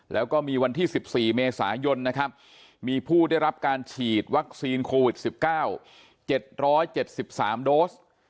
แล้วก็มีวันที่๑๔เมษายนนะครับมีผู้ได้รับการฉีดวัคซีนโควิด๑๙๗๗๓โดส